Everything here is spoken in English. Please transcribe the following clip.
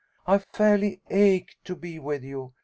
I fairly ache to be with you.